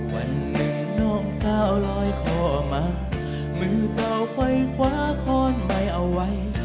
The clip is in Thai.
วันหนึ่งน้องสาวลอยคอมามือเจ้าค่อยคว้าข้อนใบเอาไว้